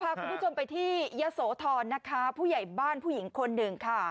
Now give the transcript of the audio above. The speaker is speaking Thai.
พาคุณผู้ชมไปที่ยะโสธรนะคะผู้ใหญ่บ้านผู้หญิงคนหนึ่งค่ะ